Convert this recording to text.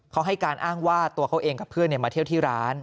เขาให้การอ้างว่าตัวเขาเองกับเพื่อนมาเที่ยวที่ร้าน